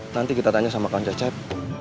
nanti kita tanya sama kancah chat